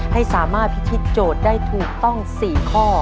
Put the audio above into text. ให้สามารถพิธีโจทย์ได้ถูกต้อง๔ข้อ